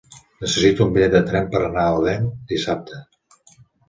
Necessito un bitllet de tren per anar a Odèn dissabte.